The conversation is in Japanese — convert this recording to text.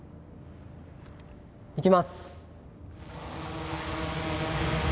いきます。